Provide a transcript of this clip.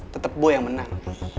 tetep boy yang menang